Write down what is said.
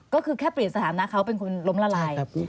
ก็คือแค่เปลี่ยนสถานะเขาเป็นคนล้มละลาย